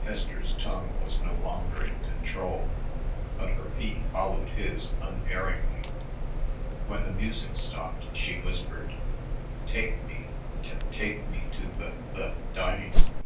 Hester's tongue was no longer in control, but her feet followed his unerringly. When the music stopped, she whispered, "Take me ta take me to th' th' dining room."